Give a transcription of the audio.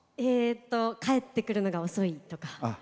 帰ってくるのが遅いとか。